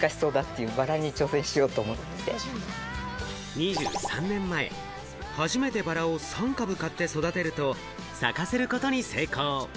２３年前、初めてバラを３株買って育てると、咲かせることに成功。